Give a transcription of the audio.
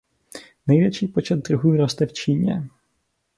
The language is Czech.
Největší počet druhů roste v Číně.